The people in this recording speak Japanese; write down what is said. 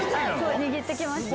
握ってきました。